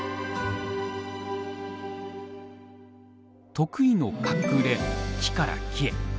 得意の滑空で木から木へ。